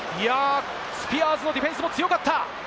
スピアーズのディフェンスも強かった。